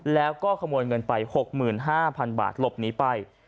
แล้วก็ขโมยเงินไป๖๕๐๐๐บาทหลบหนีไป